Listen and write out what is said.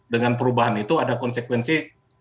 dengan perubahan itu ada konsekuensi